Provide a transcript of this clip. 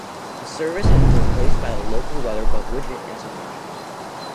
The service has been replaced by the local WeatherBug "widget" in some markets.